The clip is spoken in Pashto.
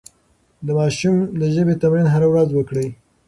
د ماشوم د ژبې تمرين هره ورځ وکړئ.